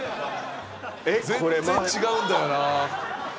全然違うんだよな。